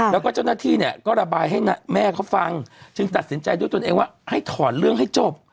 แล้วก็เจ้าหน้าที่เนี่ยก็ระบายให้แม่เขาฟังจึงตัดสินใจด้วยตนเองว่าให้ถอนเรื่องให้จบ